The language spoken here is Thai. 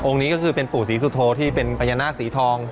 นี้ก็คือเป็นปู่ศรีสุโธที่เป็นพญานาคสีทอง